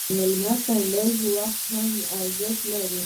مېلمه ته لږ وخت هم ارزښت لري.